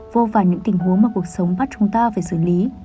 vô và những tình huống mà cuộc sống bắt chúng ta phải xử lý